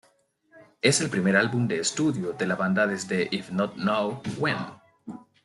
Es el primer álbum de estudio de la banda desde "If Not Now, When?